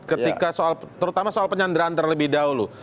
ketika soal terutama soal penyanderaan terlebih dahulu